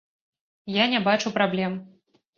Я не бачу праблем.